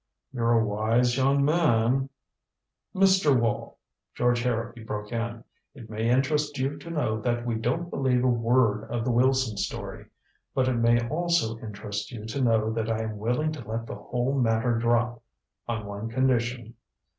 "You're a wise young man " "Mr. Wall," George Harrowby broke in, "it may interest you to know that we don't believe a word of the Wilson story. But it may also interest you to know that I am willing to let the whole matter drop on one condition."